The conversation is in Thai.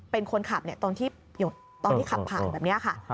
เป็นคนขับตอนที่ขับผ่านแบบนี้ค่ะ